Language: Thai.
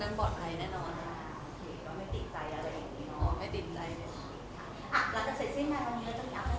อ่ะแล้วจะเสร็จสิ้นมาตรงนี้หรือจะมีอัพเวลา